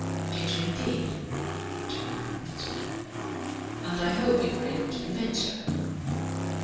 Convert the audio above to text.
"Did you indeed?" returned Colonel Fitzwilliam. "And I hope you were able to convince her."